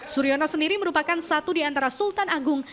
suryono sendiri merupakan satu di antara sultan agung